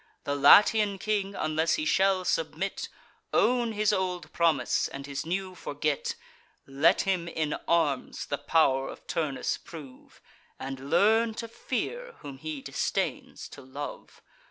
The Latian king, unless he shall submit, Own his old promise, and his new forget; Let him, in arms, the pow'r of Turnus prove, And learn to fear whom he disdains to love.